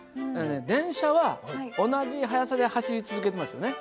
電車は同じ速さで走り続けてますよね？